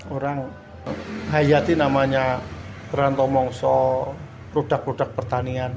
orang hayati namanya berantomongso produk produk pertanian